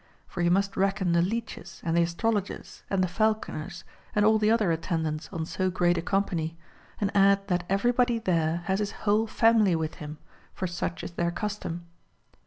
For you must reckon the Leeches, and the Astrologers, and the Falconers, and all the other attendants on so great a company ; and add that everybody there has his whole family with him, for such is their custom.